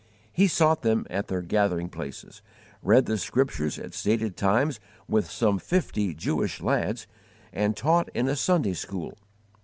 He sought them at their gathering places, read the Scriptures at stated times with some fifty Jewish lads, and taught in a Sunday school.